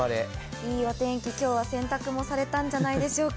いいお天気、今日は洗濯もされたんじゃないでしょうか。